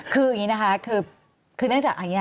คืออย่างนี้นะคะคือเนื่องจากอย่างนี้นะ